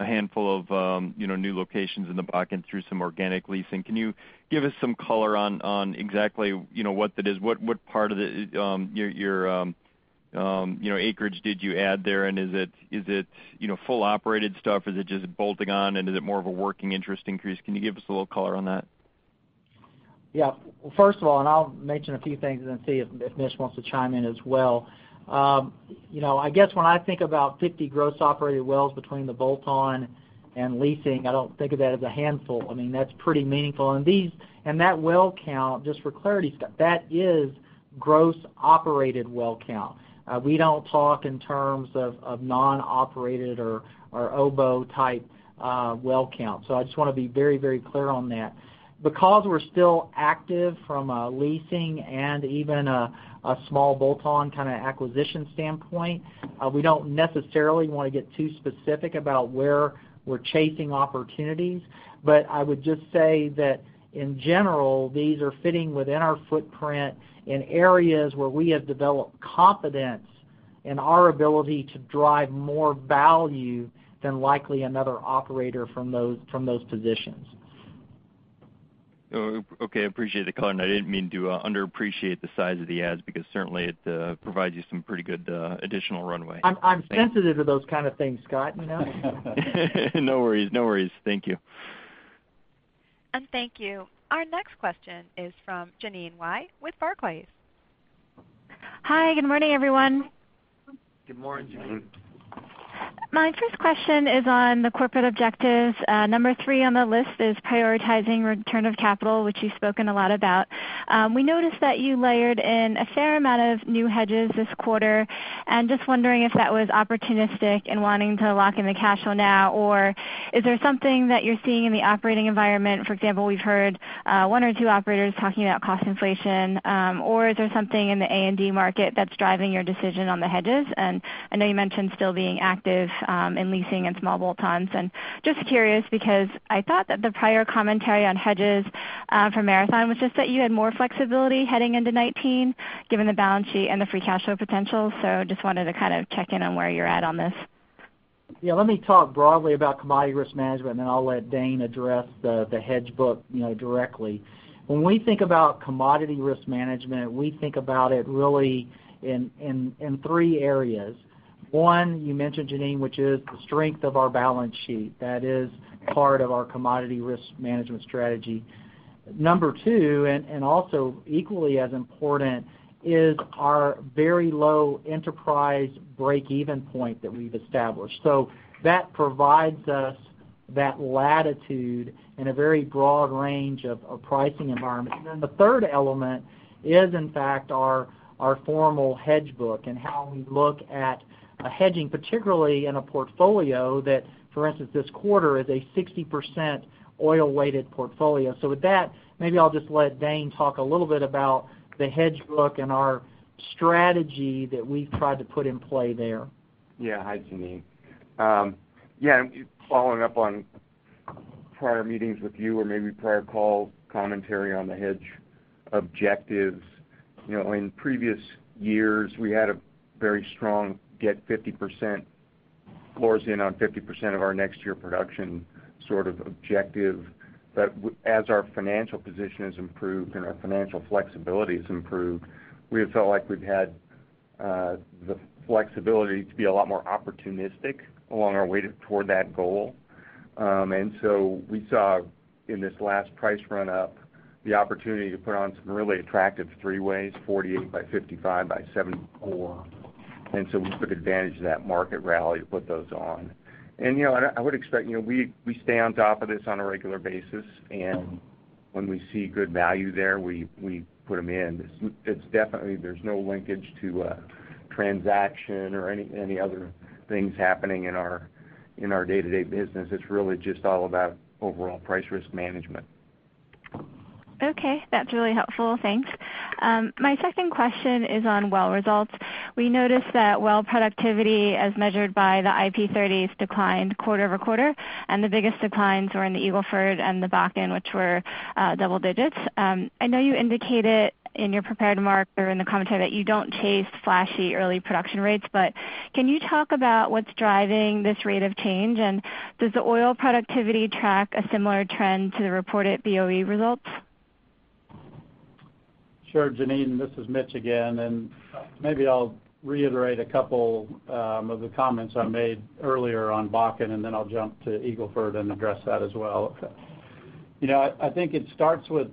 a handful of new locations in the Bakken through some organic leasing. Can you give us some color on exactly what that is? What part of your acreage did you add there, is it full operated stuff? Is it just bolting on, is it more of a working interest increase? Can you give us a little color on that? Yeah. First of all, I'll mention a few things and then see if Mitch wants to chime in as well. I guess when I think about 50 gross operated wells between the bolt-on and leasing, I don't think of that as a handful. That's pretty meaningful. That well count, just for clarity, Scott, that is gross operated well count. We don't talk in terms of non-operated or OBO type well count. I just want to be very clear on that. We're still active from a leasing and even a small bolt-on kind of acquisition standpoint, we don't necessarily want to get too specific about where we're chasing opportunities. I would just say that in general, these are fitting within our footprint in areas where we have developed confidence in our ability to drive more value than likely another operator from those positions. Okay. I appreciate the color, and I didn't mean to underappreciate the size of the adds, because certainly it provides you some pretty good additional runway. I'm sensitive to those kind of things, Scott. No worries. Thank you. Thank you. Our next question is from Jeanine Wai with Barclays. Hi, good morning, everyone. Good morning, Jeanine. My first question is on the corporate objectives. Number 3 on the list is prioritizing return of capital, which you've spoken a lot about. We noticed that you layered in a fair amount of new hedges this quarter, just wondering if that was opportunistic and wanting to lock in the cash flow now, or is there something that you're seeing in the operating environment? For example, we've heard one or two operators talking about cost inflation. Is there something in the A&D market that's driving your decision on the hedges? I know you mentioned still being active in leasing and small bolt-ons, and just curious because I thought that the prior commentary on hedges for Marathon was just that you had more flexibility heading into 2019, given the balance sheet and the free cash flow potential. Just wanted to check in on where you're at on this. Yeah. Let me talk broadly about commodity risk management, and then I'll let Dane address the hedge book directly. When we think about commodity risk management, we think about it really in three areas. One, you mentioned, Jeanine, which is the strength of our balance sheet. That is part of our commodity risk management strategy. Number 2, and also equally as important, is our very low enterprise break-even point that we've established. That provides us that latitude in a very broad range of pricing environments. The third element is, in fact, our formal hedge book and how we look at a hedging, particularly in a portfolio that, for instance, this quarter is a 60% oil-weighted portfolio. With that, maybe I'll just let Dane talk a little bit about the hedge book and our strategy that we've tried to put in play there. Yeah. Hi, Jeanine. Following up on prior meetings with you or maybe prior call commentary on the hedge objectives. In previous years, we had a very strong get 50% floors in on 50% of our next year production sort of objective. As our financial position has improved and our financial flexibility has improved, we have felt like we've had the flexibility to be a lot more opportunistic along our way toward that goal. We saw in this last price run up the opportunity to put on some really attractive three-ways, 48 by 55 by 74. We took advantage of that market rally to put those on. I would expect, we stay on top of this on a regular basis, and when we see good value there, we put them in. It's definitely, there's no linkage to a transaction or any other things happening in our day-to-day business. It's really just all about overall price risk management. Okay. That's really helpful. Thanks. My second question is on well results. We noticed that well productivity as measured by the IP30s declined quarter-over-quarter, and the biggest declines were in the Eagle Ford and the Bakken, which were double-digits. I know you indicated in your prepared remarks or in the commentary that you don't chase flashy early production rates, can you talk about what's driving this rate of change, and does the oil productivity track a similar trend to the reported BOE results? Sure, Jeanine. This is Mitch again. Maybe I'll reiterate a couple of the comments I made earlier on Bakken. Then I'll jump to Eagle Ford and address that as well. I think it starts with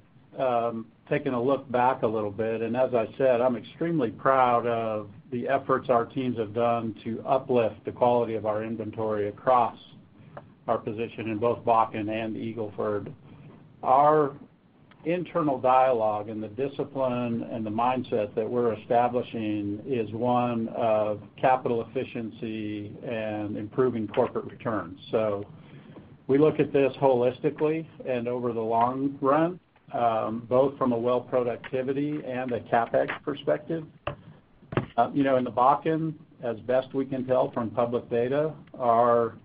taking a look back a little bit. As I said, I'm extremely proud of the efforts our teams have done to uplift the quality of our inventory across our position in both Bakken and Eagle Ford. Our internal dialogue and the discipline and the mindset that we're establishing is one of capital efficiency and improving corporate returns. We look at this holistically and over the long run, both from a well productivity and a CapEx perspective. In the Bakken, as best we can tell from public data, our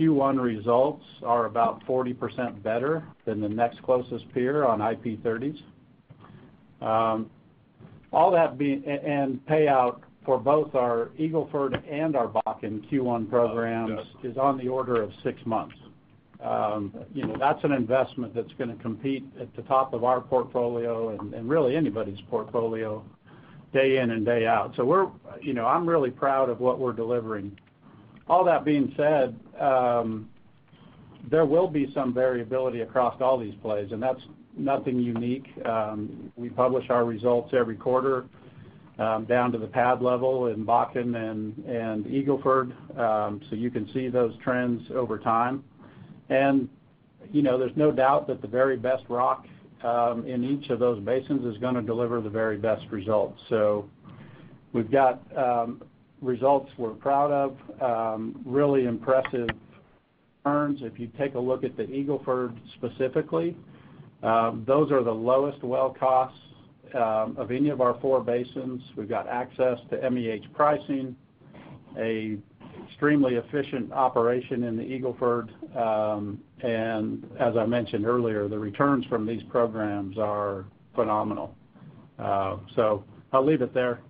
Q1 results are about 40% better than the next closest peer on IP30s. Payout for both our Eagle Ford and our Bakken Q1 programs is on the order of six months. That's an investment that's going to compete at the top of our portfolio and really anybody's portfolio day in and day out. I'm really proud of what we're delivering. All that being said, there will be some variability across all these plays. That's nothing unique. We publish our results every quarter down to the pad level in Bakken and Eagle Ford. You can see those trends over time. There's no doubt that the very best rock in each of those basins is going to deliver the very best results. We've got results we're proud of, really impressive returns. If you take a look at the Eagle Ford specifically, those are the lowest well costs of any of our four basins. We've got access to MEH pricing, a extremely efficient operation in the Eagle Ford. As I mentioned earlier, the returns from these programs are phenomenal. I'll leave it there.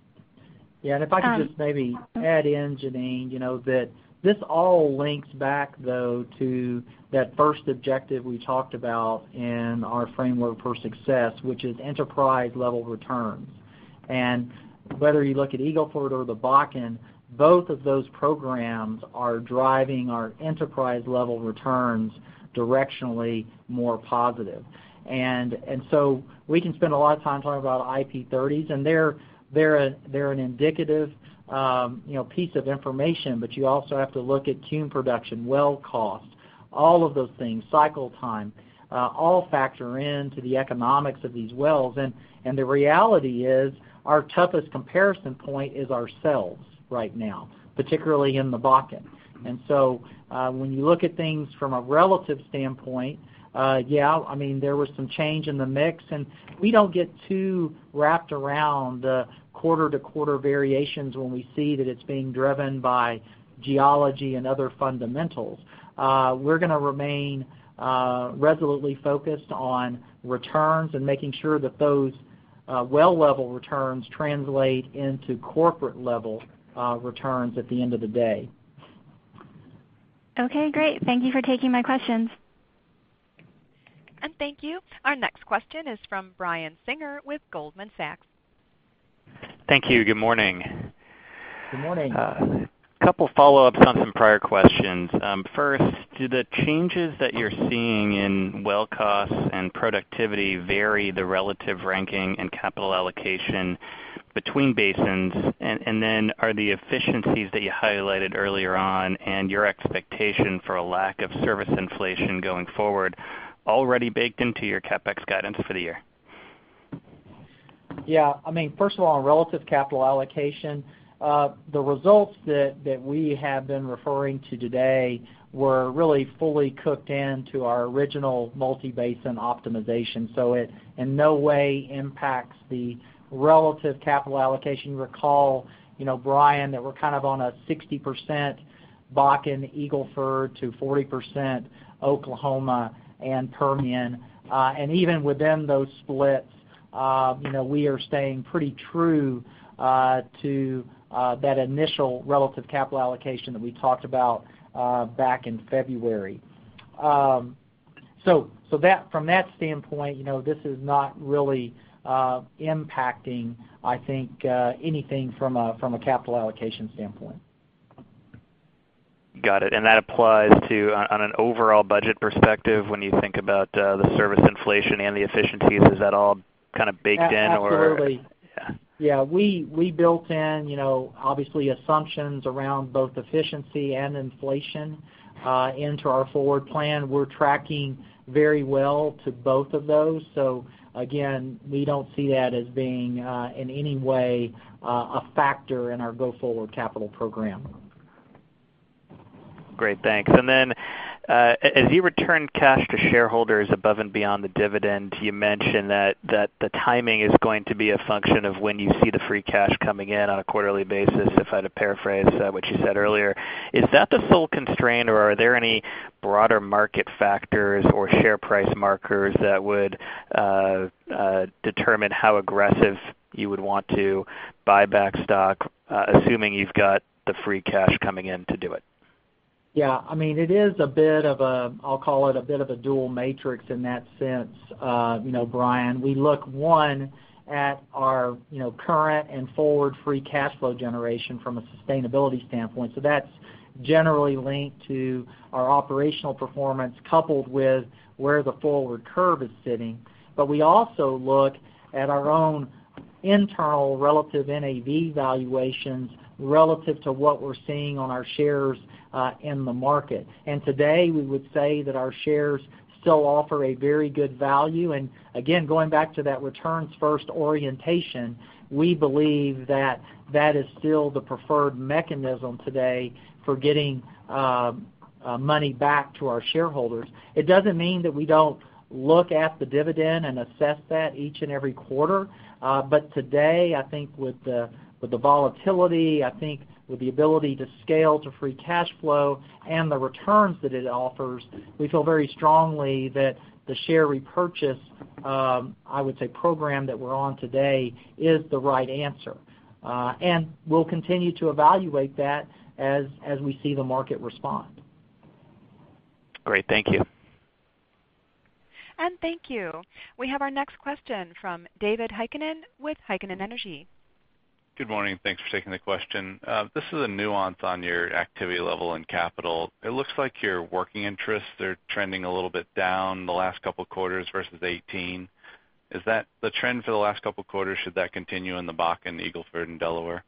Yeah. If I could just maybe add in, Jeanine, that this all links back, though, to that first objective we talked about in our framework for success, which is enterprise-level returns. Whether you look at Eagle Ford or the Bakken, both of those programs are driving our enterprise-level returns directionally more positive. We can spend a lot of time talking about IP30s. They're an indicative piece of information. You also have to look at tune production, well cost, all of those things, cycle time, all factor into the economics of these wells. The reality is our toughest comparison point is ourselves right now, particularly in the Bakken. When you look at things from a relative standpoint, yeah, there was some change in the mix, and we don't get too wrapped around quarter-to-quarter variations when we see that it's being driven by geology and other fundamentals. We're going to remain resolutely focused on returns and making sure that those well-level returns translate into corporate-level returns at the end of the day. Okay, great. Thank you for taking my questions. Thank you. Our next question is from Brian Singer with Goldman Sachs. Thank you. Good morning. Good morning. A couple follow-ups on some prior questions. First, do the changes that you're seeing in well costs and productivity vary the relative ranking and capital allocation between basins? Then are the efficiencies that you highlighted earlier on and your expectation for a lack of service inflation going forward already baked into your CapEx guidance for the year? Yeah. First of all, on relative capital allocation, the results that we have been referring to today were really fully cooked into our original multi-basin optimization, so it in no way impacts the relative capital allocation. You recall, Brian, that we're on a 60% Bakken, Eagle Ford to 40% Oklahoma and Permian. Even within those splits, we are staying pretty true to that initial relative capital allocation that we talked about back in February. From that standpoint, this is not really impacting, I think, anything from a capital allocation standpoint. Got it. That applies to, on an overall budget perspective, when you think about the service inflation and the efficiencies, is that all kind of baked in? Absolutely. Yeah. We built in, obviously, assumptions around both efficiency and inflation into our forward plan. We're tracking very well to both of those. Again, we don't see that as being, in any way, a factor in our go-forward capital program. Great, thanks. As you return cash to shareholders above and beyond the dividend, you mentioned that the timing is going to be a function of when you see the free cash coming in on a quarterly basis, if I had to paraphrase what you said earlier. Is that the sole constraint, or are there any broader market factors or share price markers that would determine how aggressive you would want to buy back stock, assuming you've got the free cash coming in to do it? It is a bit of a, I'll call it a bit of a dual matrix in that sense, Brian. We look, one, at our current and forward free cash flow generation from a sustainability standpoint. That's generally linked to our operational performance, coupled with where the forward curve is sitting. We also look at our own internal relative NAV valuations relative to what we're seeing on our shares in the market. Today, we would say that our shares still offer a very good value. Again, going back to that returns first orientation, we believe that that is still the preferred mechanism today for getting money back to our shareholders. It doesn't mean that we don't look at the dividend and assess that each and every quarter. Today, I think with the volatility, I think with the ability to scale to free cash flow and the returns that it offers, we feel very strongly that the share repurchase, I would say, program that we're on today is the right answer. We'll continue to evaluate that as we see the market respond. Great. Thank you. Thank you. We have our next question from David Heikkinen with Heikkinen Energy. Good morning. Thanks for taking the question. This is a nuance on your activity level and capital. It looks like your working interests are trending a little bit down the last couple of quarters versus 2018. Is that the trend for the last couple of quarters? Should that continue in the Bakken, Eagle Ford, and Delaware?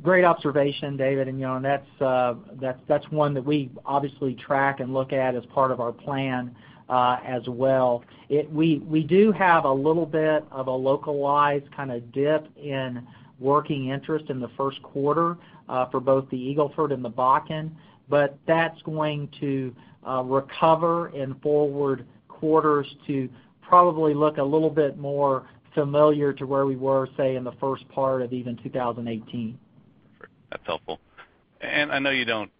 Great observation, David. That's one that we obviously track and look at as part of our plan as well. We do have a little bit of a localized kind of dip in working interest in the first quarter for both the Eagle Ford and the Bakken. That's going to recover in forward quarters to probably look a little bit more familiar to where we were, say, in the first part of even 2018. Great. That's helpful. I know you don't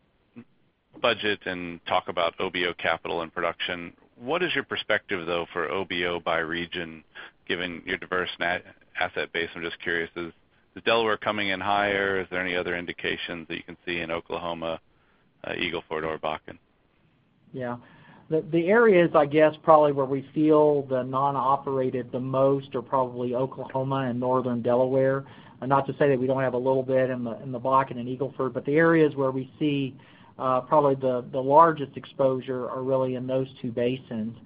budget and talk about OBO capital and production. What is your perspective, though, for OBO by region, given your diverse asset base? I'm just curious. Is Delaware coming in higher? Is there any other indications that you can see in Oklahoma, Eagle Ford, or Bakken? Yeah. The areas, I guess, probably where we feel the non-operated the most are probably Oklahoma and northern Delaware. Not to say that we don't have a little bit in the Bakken and Eagle Ford, the areas where we see probably the largest exposure are really in those two basins.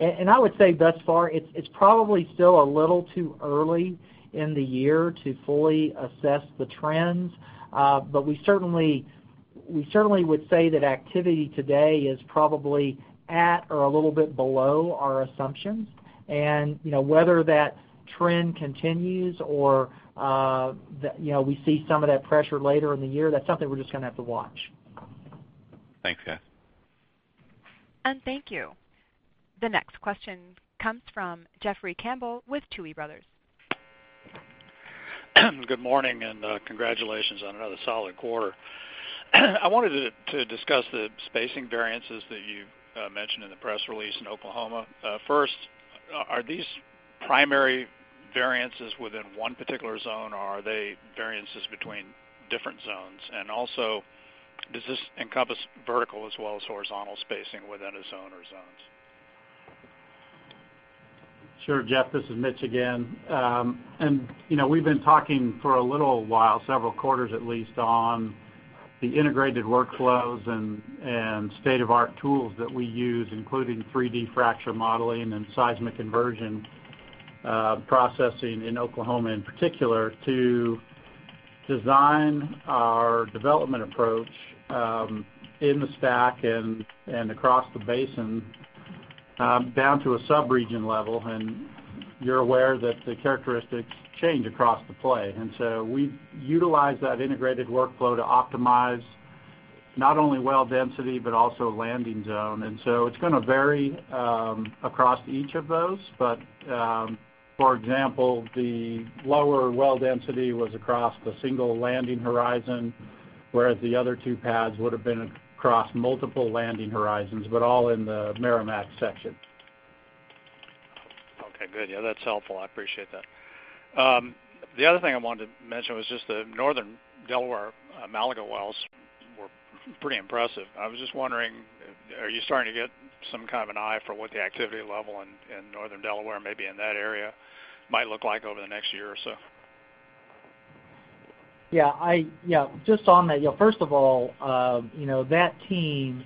I would say thus far, it's probably still a little too early in the year to fully assess the trends. We certainly would say that activity today is probably at or a little bit below our assumptions. Whether that trend continues or we see some of that pressure later in the year, that's something we're just going to have to watch. Thanks, guys. Thank you. The next question comes from Jeffrey Campbell with Tuohy Brothers. Good morning. Congratulations on another solid quarter. I wanted to discuss the spacing variances that you mentioned in the press release in Oklahoma. First, are these primary variances within one particular zone, or are they variances between different zones? Does this encompass vertical as well as horizontal spacing within a zone or zones? Sure, Jeff, this is Mitch again. We've been talking for a little while, several quarters at least, on the integrated workflows and state-of-art tools that we use, including 3D fracture modeling and seismic inversion processing in Oklahoma, in particular, to design our development approach in the STACK and across the basin down to a sub-region level. You're aware that the characteristics change across the play. So we utilize that integrated workflow to optimize not only well density, but also landing zone. So it's going to vary across each of those. For example, the lower well density was across the single landing horizon, whereas the other two pads would have been across multiple landing horizons, but all in the Meramec section. Okay, good. Yeah, that's helpful. I appreciate that. The other thing I wanted to mention was just the Northern Delaware Malaga wells were pretty impressive. I was just wondering, are you starting to get some kind of an eye for what the activity level in Northern Delaware may be in that area might look like over the next year or so? Yeah. Just on that, first of all, that team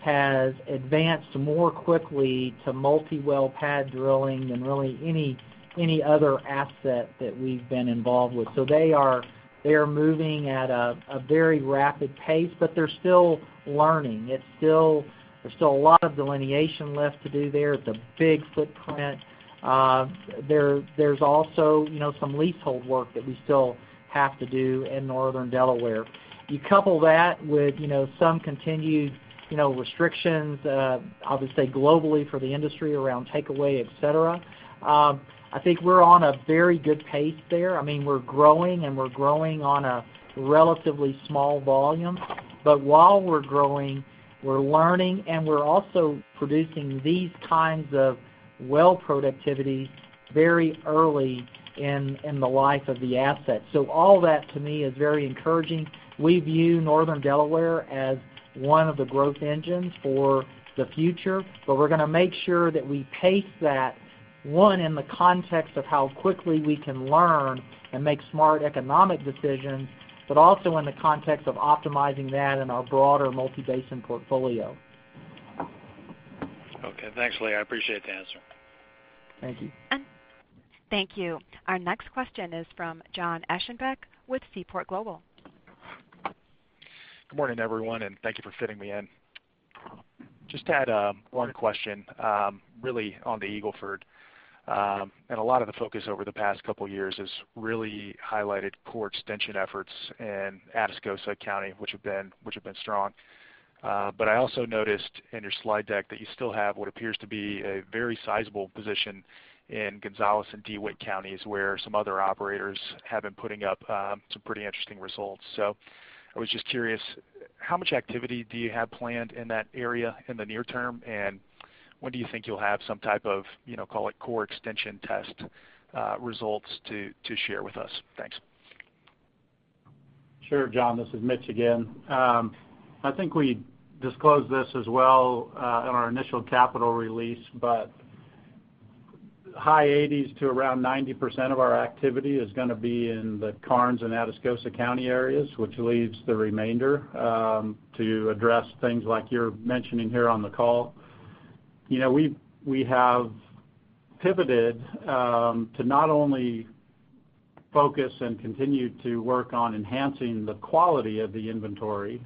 has advanced more quickly to multi-well pad drilling than really any other asset that we've been involved with. They are moving at a very rapid pace, but they're still learning. There's still a lot of delineation left to do there. It's a big footprint. There's also some leasehold work that we still have to do in Northern Delaware. You couple that with some continued restrictions, I would say globally for the industry around takeaway, et cetera. I think we're on a very good pace there. We're growing, and we're growing on a relatively small volume. While we're growing, we're learning, and we're also producing these kinds of well productivity very early in the life of the asset. All that to me is very encouraging. We view Northern Delaware as one of the growth engines for the future, but we're going to make sure that we pace that, one, in the context of how quickly we can learn and make smart economic decisions, but also in the context of optimizing that in our broader multi-basin portfolio. Okay. Thanks, Lee. I appreciate the answer. Thank you. Thank you. Our next question is from John Aschenbach with Seaport Global. Good morning, everyone, and thank you for fitting me in. Just had one question really on the Eagle Ford. A lot of the focus over the past couple of years has really highlighted core extension efforts in Atascosa County, which have been strong. I also noticed in your slide deck that you still have what appears to be a very sizable position in Gonzales and DeWitt Counties, where some other operators have been putting up some pretty interesting results. I was just curious, how much activity do you have planned in that area in the near term, and when do you think you'll have some type of call it core extension test results to share with us? Thanks. Sure, John. This is Mitch again. I think we disclosed this as well in our initial capital release, but high 80s-90% of our activity is going to be in the Karnes and Atascosa County areas, which leaves the remainder to address things like you're mentioning here on the call. We have pivoted to not only focus and continue to work on enhancing the quality of the inventory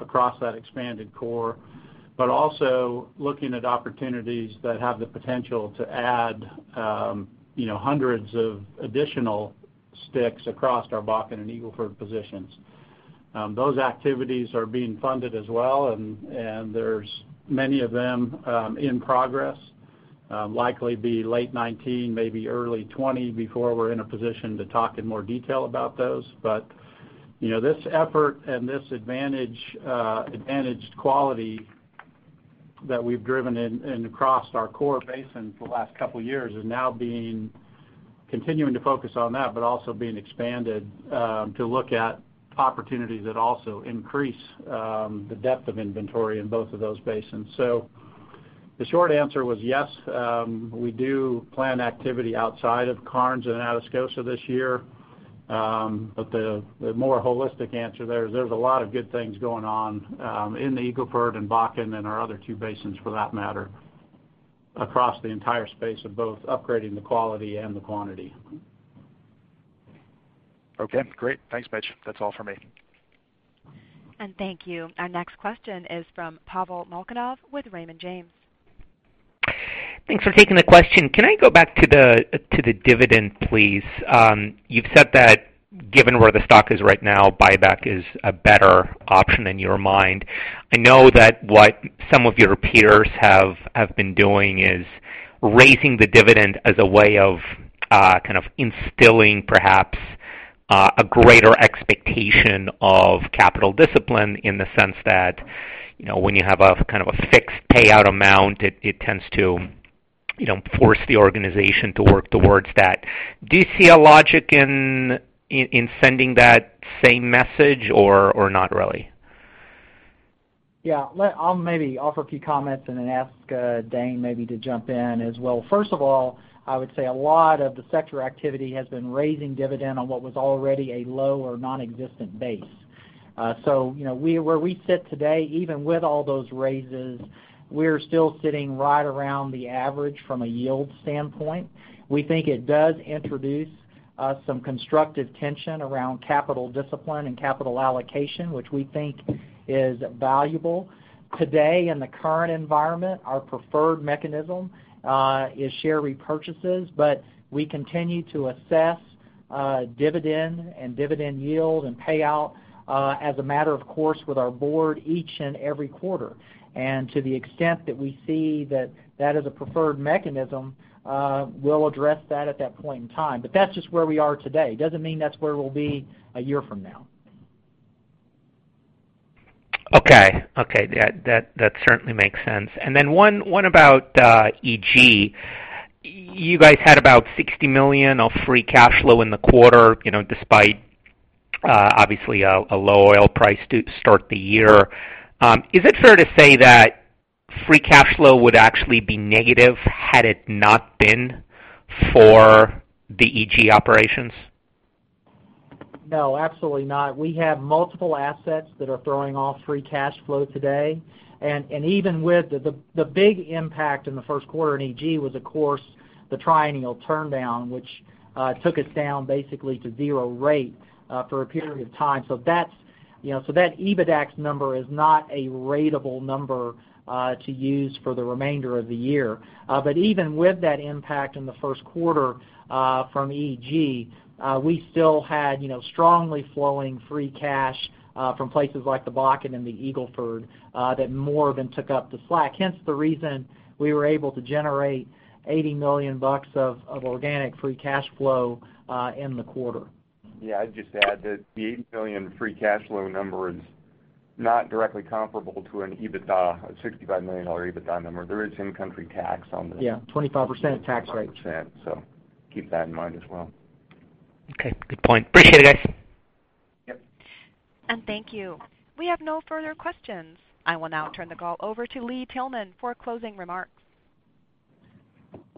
across that expanded core, but also looking at opportunities that have the potential to add hundreds of additional sticks across our Bakken and Eagle Ford positions. Those activities are being funded as well, and there's many of them in progress. Likely be late 2019, maybe early 2020 before we're in a position to talk in more detail about those. This effort and this advantaged quality that we've driven in across our core basin for the last couple of years is now continuing to focus on that, but also being expanded to look at opportunities that also increase the depth of inventory in both of those basins. The short answer was yes, we do plan activity outside of Karnes and Atascosa this year. The more holistic answer there is there's a lot of good things going on in the Eagle Ford and Bakken and our other two basins for that matter, across the entire space of both upgrading the quality and the quantity. Okay, great. Thanks, Mitch. That's all for me. Thank you. Our next question is from Pavel Molchanov with Raymond James. Thanks for taking the question. Can I go back to the dividend, please? You've said that given where the stock is right now, buyback is a better option in your mind. I know that what some of your peers have been doing is raising the dividend as a way of instilling perhaps a greater expectation of capital discipline in the sense that when you have a fixed payout amount, it tends to force the organization to work towards that. Do you see a logic in sending that same message or not really? I'll maybe offer a few comments and then ask Dane maybe to jump in as well. First of all, I would say a lot of the sector activity has been raising dividend on what was already a low or nonexistent base. Where we sit today, even with all those raises, we're still sitting right around the average from a yield standpoint. We think it does introduce some constructive tension around capital discipline and capital allocation, which we think is valuable. Today in the current environment, our preferred mechanism is share repurchases, but we continue to assess dividend and dividend yield and payout as a matter of course with our board each and every quarter. To the extent that we see that that is a preferred mechanism, we'll address that at that point in time. That's just where we are today. Doesn't mean that's where we'll be one year from now. Okay. That certainly makes sense. One about EG. You guys had about $60 million of free cash flow in the quarter despite obviously a low oil price to start the year. Is it fair to say that free cash flow would actually be negative had it not been for the EG operations? No, absolutely not. We have multiple assets that are throwing off free cash flow today. Even with the big impact in the first quarter in EG was, of course, the triennial turndown, which took us down basically to zero rate for a period of time. That EBITDAX number is not a ratable number to use for the remainder of the year. Even with that impact in the first quarter from EG, we still had strongly flowing free cash from places like the Bakken and the Eagle Ford that more than took up the slack, hence the reason we were able to generate $80 million of organic free cash flow in the quarter. Yeah, I'd just add that the $80 million free cash flow number is not directly comparable to an EBITDA of $65 million EBITDA number. There is in-country tax on that. Yeah, 25% tax rate. 25%. Keep that in mind as well. Okay, good point. Appreciate it, guys. Yep. Thank you. We have no further questions. I will now turn the call over to Lee Tillman for closing remarks.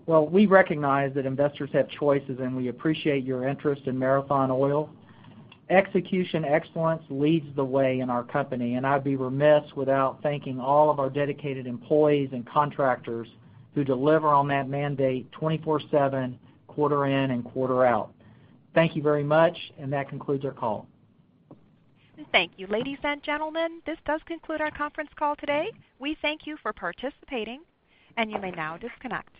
Well, we recognize that investors have choices, and we appreciate your interest in Marathon Oil. Execution excellence leads the way in our company, and I'd be remiss without thanking all of our dedicated employees and contractors who deliver on that mandate 24/7, quarter in and quarter out. Thank you very much. That concludes our call. Thank you. Ladies and gentlemen, this does conclude our conference call today. We thank you for participating, and you may now disconnect.